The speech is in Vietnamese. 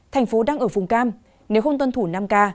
thành phố đang ở vùng cam nếu không tuân thủ năm k